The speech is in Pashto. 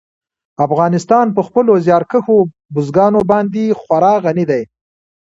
افغانستان په خپلو زیارکښو بزګانو باندې خورا غني دی.